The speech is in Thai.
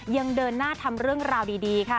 ยังเดินหน้าทำเรื่องราวดีค่ะ